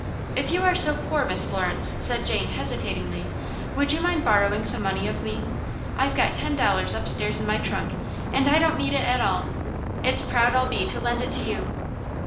"If you are poor, Miss Florence," said Jane, hesitatingly, "would you mind borrowing some money of me? I've got ten dollars upstairs in my trunk, and I don't need it at all. It's proud I'll be to lend it to you."